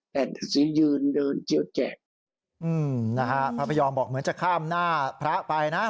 แต่งสียืนเดินเจียวแจกอืมนะฮะพระพยอมบอกเหมือนจะข้ามหน้าพระไปนะ